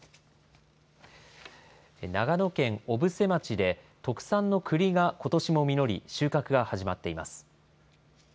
長野県小布施町で、特産のくりがことしも実り、収穫が始まっています。